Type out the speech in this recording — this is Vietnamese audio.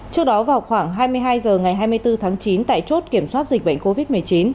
trước đó vào khoảng hai mươi hai h ngày hai mươi bốn tháng chín tại chốt kiểm soát dịch bệnh covid một mươi chín